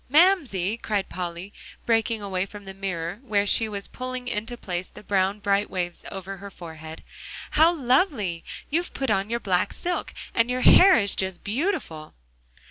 "Mamsie!" cried Polly, breaking away from the mirror where she was pulling into place the bright brown waves over her forehead, "how lovely! you've put on your black silk; and your hair is just beautiful!"